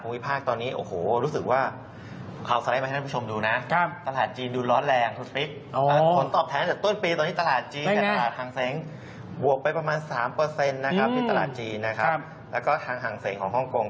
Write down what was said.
ก็เป็นอีกกลุ่มหนึ่งเพราะฉะนั้นในตลาดบุคคลภาคตอนนี้